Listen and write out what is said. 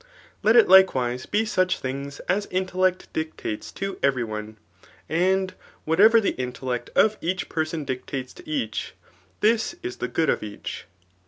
Let it, likewise^ be such things as intellect dictates to every one ; and whatever die iu^ t^Uect of each person dictates to each, this is the good of each.